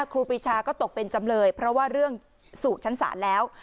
ครูปีชาก็ตกเป็นจำเลยเพราะว่าเรื่องสู่ชั้นศาลแล้ว